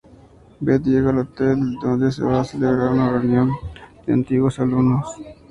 Beth llega al hotel donde se va a celebrar una reunión de antiguos alumnos.